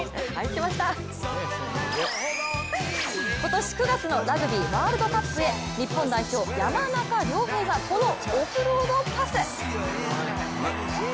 今年９月のラグビーワールドカップへ日本代表、山中亮平がこのオフロードパス。